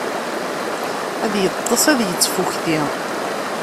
Ad yeṭṭes ad yettfukti.